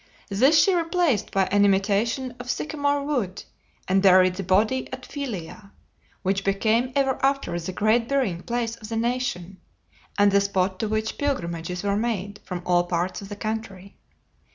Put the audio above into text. This she replaced by an imitation of sycamore wood, and buried the body at Philae, which became ever after the great burying place of the nation, and the spot to which pilgrimages were made from all parts of the country.